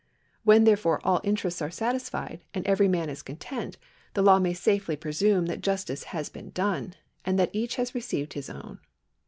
When, therefore, all interests are satisfied, and every man is content, the law may safely jiresume that justice has been done, and that each has received his own.